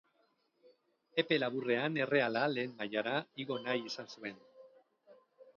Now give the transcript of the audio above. Epe laburrean Erreala lehen mailara igo nahi izan zuen.